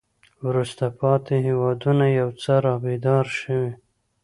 وروسته پاتې هېوادونه یو څه را بیدار شوي.